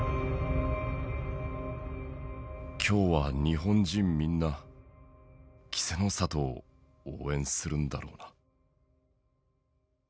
「今日は日本人みんなキセノ里を応援するんだろうな」。